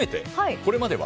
これまでは？